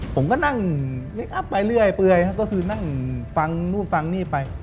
ผมก็นั่งไปเรื่อยก็คือนั่งฟังนู่นฟังนี่ไป